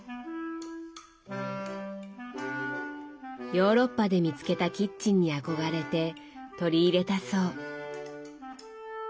ヨーロッパで見つけたキッチンに憧れて取り入れたそう。